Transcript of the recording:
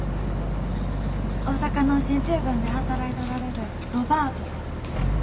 大阪の進駐軍で働いておられるロバートさん。